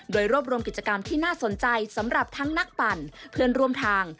โดยรวบรวมกิจกรรมที่น่าสนใจสำหรับทั้งนักปั่นเพื่อนร่วมทาง